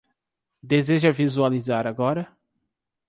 Deseja visualizar agora?